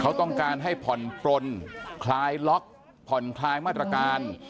เขาต้องการให้ผ่อนปลนคลายล็อกผ่อนคลายมาตรการ